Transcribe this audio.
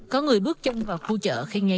có người bước chân vào khu chợ khi nghe